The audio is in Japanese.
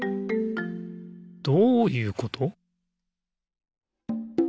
どういうこと？